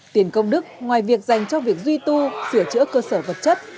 tiền công đức ngoài việc dành cho việc duy tu sửa chữa cơ sở vật chất